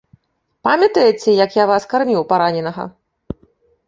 Памятаеце, як я вас карміў параненага?